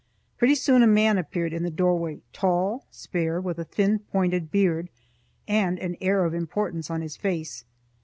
Pretty soon a man appeared in the doorway, tall, spare, with a thin, pointed beard, and an air of importance on his face.